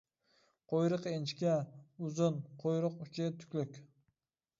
قۇيرۇقى ئىنچىكە، ئۇزۇن، قۇيرۇق ئۇچى تۈكلۈك.